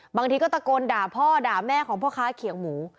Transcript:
บางทีก็ตะโกนด่าพ่อด่าแม่ของพ่อค้าเขียงหมู